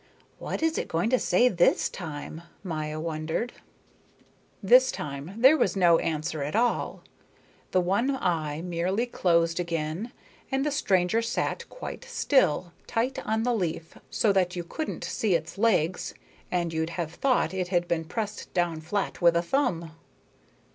"What is it going to say this time?" Maya wondered. This time there was no answer at all. The one eye merely closed again, and the stranger sat quite still, tight on the leaf, so that you couldn't see its legs and you'd have thought it had been pressed down flat with a thumb.